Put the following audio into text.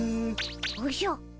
おじゃ。